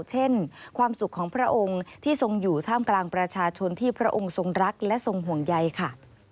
เช่นความสุขของพระองค์ที่ทรงอยู่ท่ามกลางประชาชนที่พระองค์ทรงรักและทรงห่วงใยค่ะ